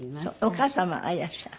お母様はいらっしゃる？